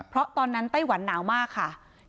เพราะตอนนั้นไต้หวันหนาวมากค่ะ